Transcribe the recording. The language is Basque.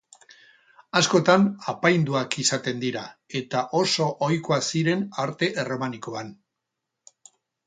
Askotan apainduak izaten dira eta oso ohikoa ziren arte erromanikoan.